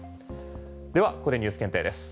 ではここでＮＥＷＳ検定です。